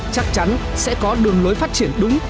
chắc chắn sẽ có đường lối phát triển đúng